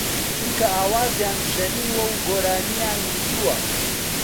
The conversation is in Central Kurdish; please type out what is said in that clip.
چونکە ئاوازیان ژەنیوە و گۆرانییان وتووە